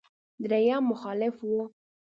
درېيم مخالف و.